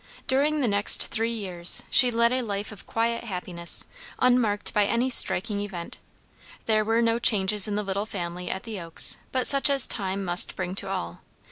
During the next three years she led a life of quiet happiness, unmarked by any striking event. There were no changes in the little family at the Oaks but such as time must bring to all. Mr.